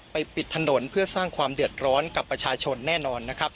ปิดถนนเพื่อสร้างความเดือดร้อนกับประชาชนแน่นอนนะครับ